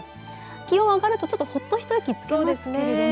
気温上がるとちょっとほっと一息つけますけれども。